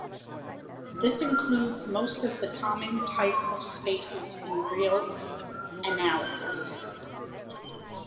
This includes most of the common type of spaces in real analysis.